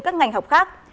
các ngành học khác